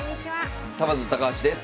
サバンナ高橋です。